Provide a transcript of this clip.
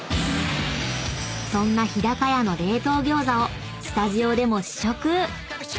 ［そんな日高屋の冷凍餃子をスタジオでも試食］